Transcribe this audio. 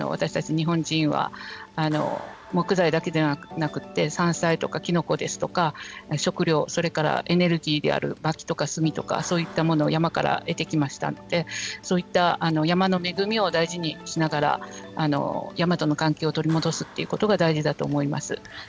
日本人は木材だけでなくて山菜とか、きのこですとか食料、それからエネルギーであるまきとか炭とかそういったものを山から得てきましたのでそういった山の恵みを大事にしながら山との関係を取り戻すということが大事だと思います。